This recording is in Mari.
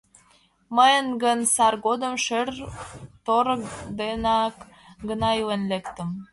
Мый гын сар годым шӧр-торык денак гына илен лектым.